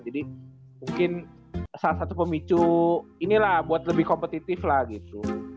jadi mungkin salah satu pemicu inilah buat lebih kompetitif lah gitu